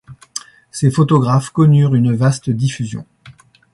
Ces photographies connurent une vaste diffusion.